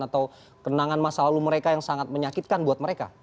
atau kenangan masa lalu mereka yang sangat menyakitkan buat mereka